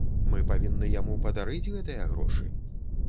Мы павінны яму падарыць гэтыя грошы?